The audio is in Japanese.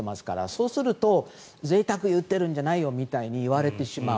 そうすると、ぜいたくを言っているんじゃないよみたいに言われてしまう。